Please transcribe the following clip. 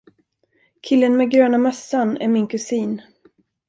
Killen med gröna mössan är min kusin.